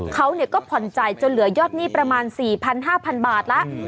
เขาเนี่ยก็ผ่อนใจจะเหลือยอดหนี้ประมาณ๔๐๐๐๕๐๐๐บาทละ